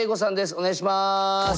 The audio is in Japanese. お願いします。